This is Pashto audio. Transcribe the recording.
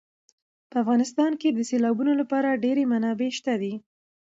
په افغانستان کې د سیلابونو لپاره ډېرې منابع شته دي.